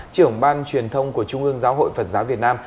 trưởng ban truyền thông của trung ương giáo hội phật giáo việt nam